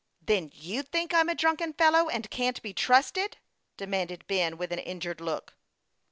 " Then you think I'm a drunken fellow, and can't be trusted?" demanded Ben, with an injured look.